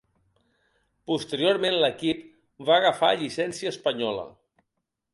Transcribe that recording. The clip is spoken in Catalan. Posteriorment l'equip va agafar llicència espanyola.